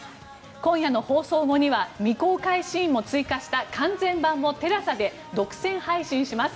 今夜の放送後には未公開シーンも追加した完全版もＴＥＬＡＳＡで独占配信します。